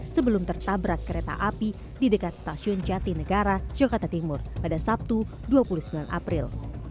sebelum tertabrak kereta api di dekat stasiun jatinegara jakarta timur pada sabtu dua puluh sembilan april